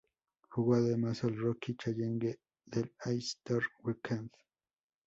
Jugó además el Rookie Challenge del All-Star Weekend.